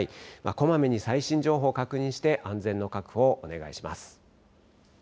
こまめに最新情報を確認して安全の確保をお願いします。